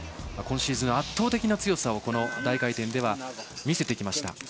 今シーズン、圧倒的な強さをこの大回転では見せてきました。